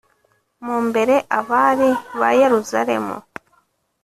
mu mbere, abari ba Yeruzalemu